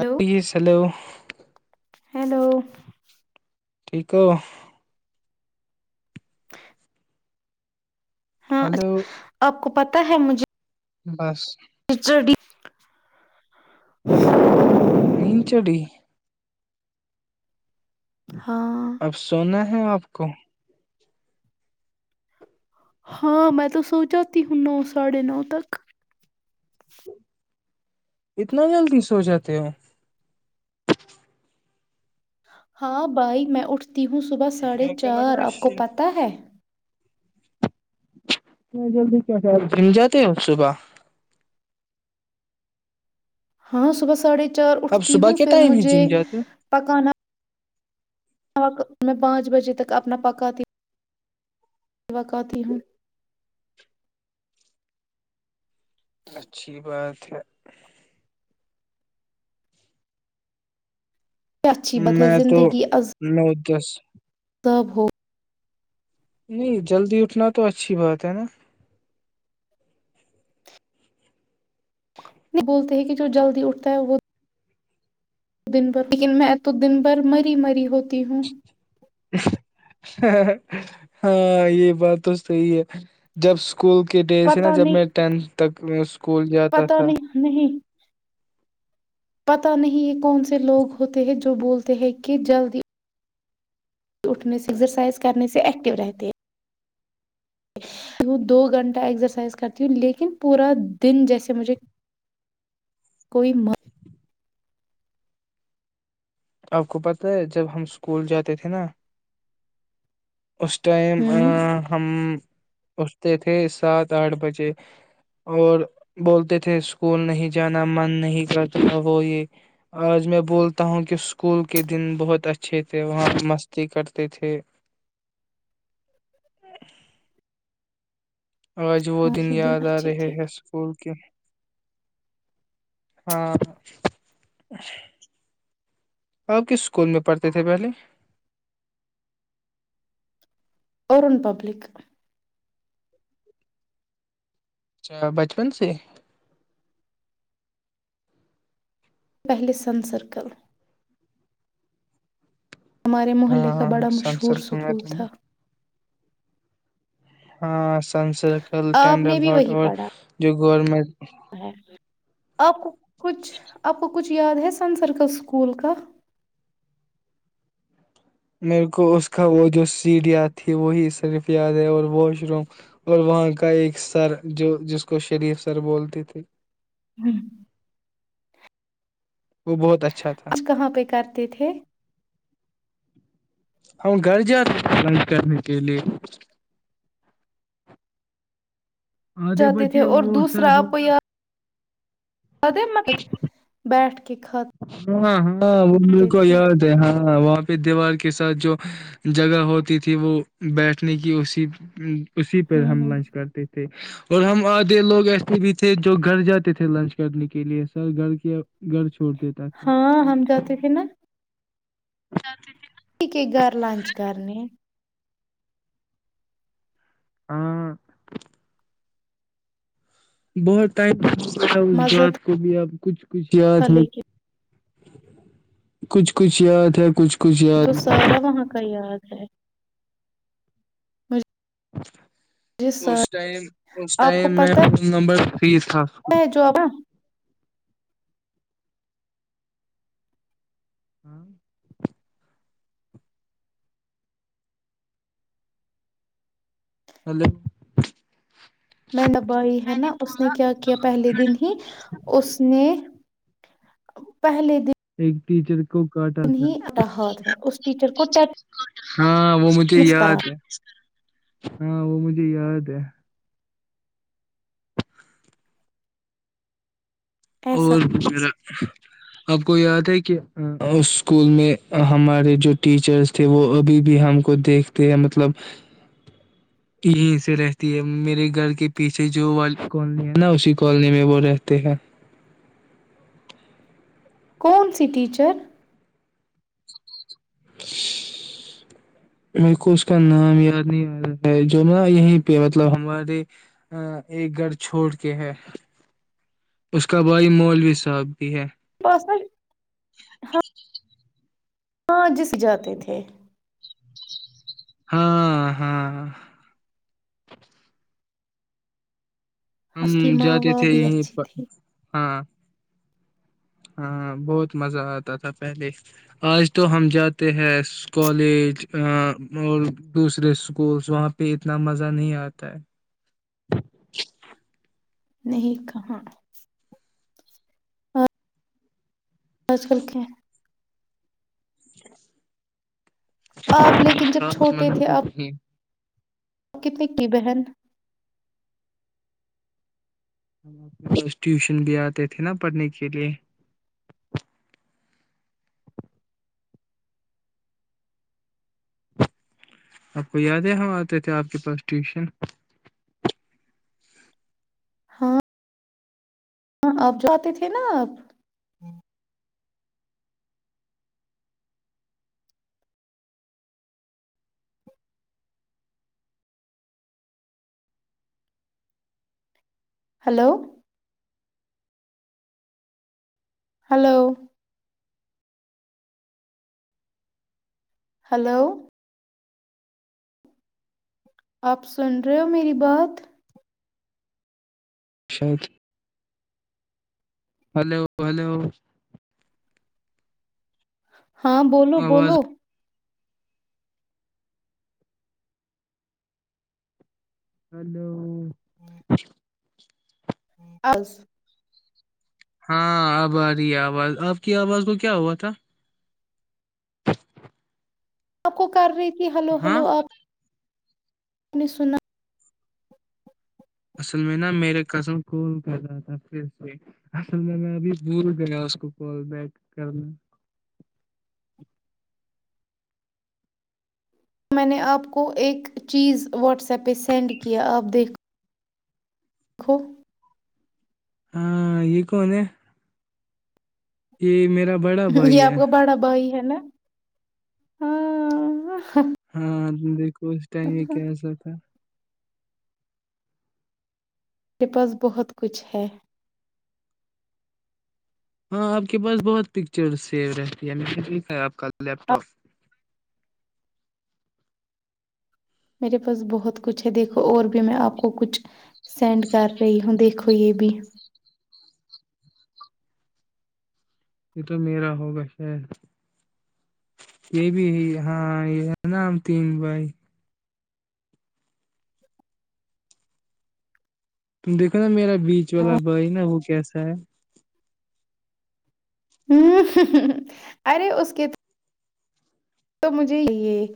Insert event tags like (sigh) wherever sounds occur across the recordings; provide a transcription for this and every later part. ا کی سلو (unintelligible) ہیلو ٹھیک ہو ہاں ہلو آپ کو پتاہ ہے مجھے بس رچر ڈی (unintelligible) (inaudible) نینچڑ (unintelligible) ہاں اب سونا ہے آپ کو ہاں میں تو سو جاتی ہوں نو ساھے نو تک اتنا جلدی سو جاتے ہو ہاں بھائی میں اٹھتی ہوں ہ صبح ساڑھے میرے کو چار لگا آپ کو شی- پت ہے جلدی کیا جم جاتے ہو صبح ہاں صبح ساھے چار اب اٹھتی صبح ہوں کے پھر ٹائم ہی مجھے جم جاتے ہو؟ پکانا وقت میں پانچ بجے تک اپنا پکاتتی ہ داقتی ہوں اچھی بات (unintelligible) چھ (unintelligible) کیا اچھی بات ہے میں تو زندگی میں (unintelligible) دس (unintelligible) تب ہو نہیں جلدی اٹھنا تو اچھی بات ہے نا بولتے ہیں کہ جو جلد ہی اٹھتا ہے وہ دن بھر لیکن میں تو دن بھر مری مری ہوتا کییہوں ہاں یہ بات تو صحی ہے جب اسکول کے ڈیز ہے نا پتا جب میں نہیں ٹینتھ تک ک پتا نہیں نہیں پتا نہیں یہ کون سا سے لوگ ہوتے ہیں جو چ بولتے ہے کہ جلدی اٹھنے سے ایکزرسائز کرنے سے ایکٹو رہتے ہیں دو گھنٹہ ایکسرسائز کرتی ہوں لیکن پورا دن جیسے مجھے کوئی آپ کو پت ہے جب ہم اسکول جاتے تھے نا اس ٹائم ہوں ہم اھتے تھے سات آٹھ بجے اور بولتے تھے اسکول نہیں جانا من نہیں کرتا وہ یہ آج میں بولتا ہوں کہ اسکول کے دن بہت اچھے تھے وہاں مستی کرتے تھے آج وہ ہاں دن ہی یاد آ اچھے رہے تھے ہیں اسکول کے ہاں آپ کس اسکول میں پڑھتے تھے پہلے اوررن پبلک اچھا بچپن سے پہل سن سرکل ہمارے محلے کا ہاں بڑا سن مشہور سرکل میں سکول تم؟ تھا ہاں سن سرکل آپ ٹینڈل ہٹ اور جو گورنمنٹ ہاں آپ کو کچھ آپ کچھ یاد ہے سن سرکل اسکول کا میرے کو اس کا وہ جو سیھیا تھی وہی صرف یاد ہے اور واش روم اور وہاں کا ایک سر جو جس کو شریف سر بولتے تھے ہی وہ بہت اچھا تھا آج کہاں پہ کرتے تھے ہم گھر جا رہےائی کرنے کے لیئے آدھے چاہتے تھے بچے اور وہ سر دوسرا آپ کو بولتا یہاں (unintelligible) بیٹھ کے کھاتے ہ ہاں ہاں ہاں وہ میرے کو تھے یاد ہے ہاں وہاں پہ دیوار کے ساتھ جو جگہ ہوتی تھی وہ بیٹھنے کی اسی اسی پ ہوں ہم ہ لنچ کرتے تھے اور ہم آدھے لوگ ایسے بھی تھے جو گھر جاتے تھے لنچ کرنے کے لیے سر گھر کے گھر چھوڑ دیتا ہاں ہم جاتے تھے نا جاتے تھے نا کسی کے گھر لانچ کرنے ہاں بہت ٹائم اچھا اس مزہ بات کو بھی آپ کچھ کچھ تھا یاد میں لیکن کچھ کچھ یاد ہے کچھ کچھ یہ تو یاد ہے۔ سارا وہاں کا یاد ہے مجھے اس سر ٹائم اس آپ ٹائم کو میں پتا نمبر تیس خاص ہے جو اب ہاں ہلو میرا بھائی ہے نا اس نے کیا کیا پہلے دن ہی اس نے پہلے دن ایک ٹیچر کو کاٹا تھا ہی اٹا ہاتھ میں اس ٹیچر کو ہاں وہ مجھے ٹیٹنس یاد کرا ہے ہاں وہ مجھے یاد ہے ایسا اور میرا آپ کو یاد ہے کہ اس اسکول میں ہمارے جو ٹیچرس تھے وہ ابھی بھی ہم کو دیکھتے ہیں مطلب یہیں سے رہتی ہے میرے گھر کے پیچھے جو والی کالونی ہے نا اسی کالونی میں وہ رہتے ہیں کون سی ٹیچر (inaudible) میرے کو اس کا نام یاد نہیں آ رہا ہے جو نا یہیں پہ مطلب ہمارے ایک گھر چھوڑ کے ہے اس کا بھائی مولوی صاحب بھی ہے (inaudible) ہاں جس جاتے تھے ہاں ہاں ہم اس کی ماں جاتے وہ تھے بھی یہیں اچھی پر تھی ہاں ہاں بہت مزہ آتا تھا پہلے آج تو ہم جاتے ہیں کالج اور دوسرے اسکولس وہاں پہ اتنا مزہ نہیں آتا ہے نہیں کہاں آج کل کیا آپ لیکن جب خاص چھوٹے مزہ تھے تو آپ نہیں اور کتنی کیٹی بہن ہم آ کے بس ٹیوشن بھی آتے تھے نا پڑھنے کے لیے آپ کو یاد ہے ہم آتے تھے آپ کے پاس ٹیوشن ہاں ہاں اب جو آتے تھے نا آپ ہلو ہلو ہلو آپ سن رہے ہو میری بات شاید ہلو ہلو ہاں بولو آواز بولو ہلو (unintelligible) (unintelligible) ہاں اب آ رہی ہے آواز آپ کی آواز کو کیا ہوا تھا آ کو کر رہی ت جی ہلو ہاں ہلو آپ میں نے سنا اصل میں نا میرے کزن کال کر رہا تھا پھر سے اصل میں میں ابھی بھول گیا اس کو کال بیک کرنا میں نے آپ کو ایک چیز واٹس ایپ پہ سینڈ کیا آپ دیکھو خو ہاں یہ کون یہ میرا بڑا یہ بھائی آپ ہے کا بڑا بھائی ہے نا ہاں ہاں دیک اس ٹائم میں کیاسا تھا میرے پاس بہت کچھ ہے ہاں آپ کے پاس بہت پکچر سیو رہتی ہے میں نے دیکھا ہے آپ کا لیپ ٹاپ میرے پاس بہت کچھ ہے دیکھو اور بھی میں آپ کو کچھ سینڈ کر رہی ہوں دیکھو ہو یہ بھی یہ تو میرا ہوگا شاید یہ بھی ہاں یہ ہے نام تین بھائی تم دیکھو نا میرا بیچ والا بھائی نا وہ کیسا ہے ہ ارے اس کےت تو مجھے یہ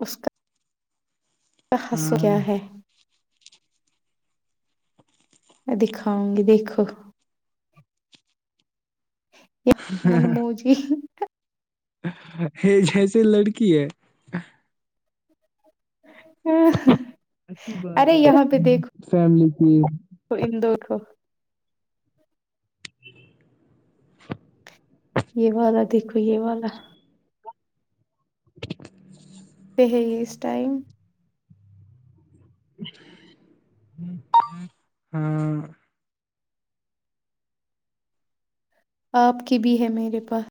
اس کا ہاں حصو ہاں کیا ہے میں دکھاؤں گی دیکھو منمو جی جیسے لڑکی ہے اچھی بات ارے ہے یہاں پہ دیکھو فیملی جی ان دو کو (inaudible) یہ والا دیکھو یہ والا (inaudible) پ ہے اس ائم ہاں آپ کی بھی ہے میرے پاس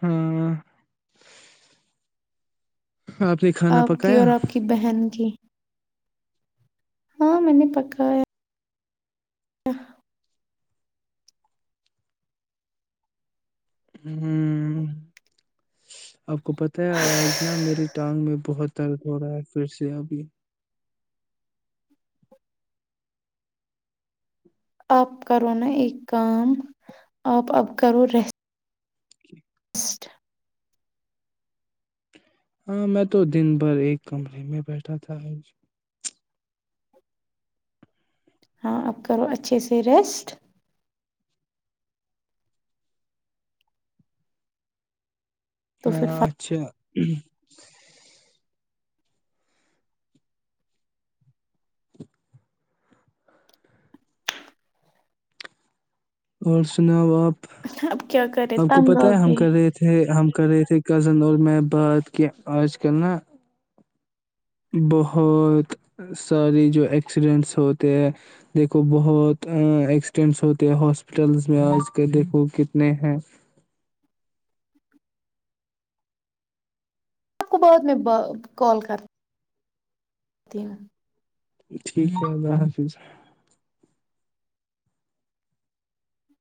ہاں نے کھانا آپ کی پکایا اور آپ کی بہن کی ہاں میں نے پکا ہے و (unintelligible) ہ آپ کو پت ہے آج نا میری ٹانگ میں بہت درد ہو رہا ہے پھر سے ابھی آپ کرو نا ایک کام آپ اپ کرو ریسٹ ہاں میں تو دن بھر ایک کمرے میں بیٹھا تھا ہاں اب کرو اچھے سے ریسٹ تو پھر ہاں اچھا ہمم اور سناؤ آپ اب کیا کرے آپ کو تنگ پت آ ہے ہم گئی کر رہے تھے ہم کرے تھے کزن اور میں بات کے آج کل نا (unintelligible) بہت ساری جو ایکسیڈنٹس ہوتے ہیں دیکھو بہت ایکسیڈنٹس ہوتے ہیں ہاسپٹلز میں آج کے دیکھو کتنے ہیں آپ کو بعد میں کال کر ٹھیک ہے اللہ حافظ